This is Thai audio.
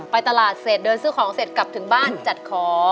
ไปตลาดเสร็จเดินซื้อของเสร็จกลับถึงบ้านจัดขอ